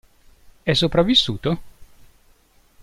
È sopravvissuto?